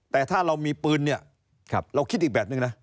แต่ถ้าเรามีปืนเนี่ยเราคิดอีกแบบนึงนะ